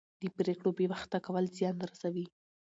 د پرېکړو بې وخته کول زیان رسوي